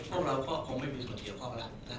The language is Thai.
พวกเราก็คงไม่มีส่วนเดียวครับ